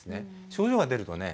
症状が出るとね